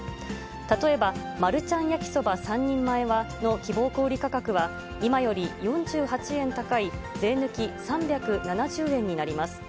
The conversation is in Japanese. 例えばマルちゃん焼そば３人前の希望小売り価格は、今より４８円高い税抜き３７０円になります。